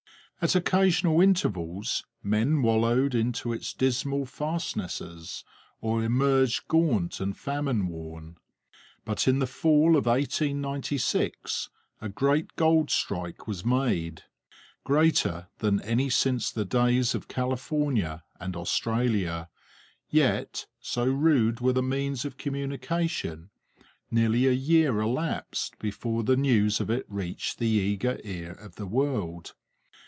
At occasional intervals men wallowed into its dismal fastnesses, or emerged gaunt and famine worn. But in the fall of 1896 a great gold strike was made greater than any since the days of California and Australia; yet, so rude were the means of communication, nearly a year elapsed before the news of it reached the eager ear of the world.